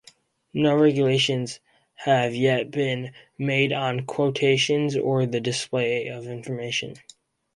No regulations have yet been made on quotations or the display of information.